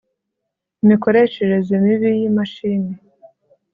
imikoreshereze mibi y imashini